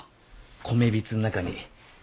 米びつの中に。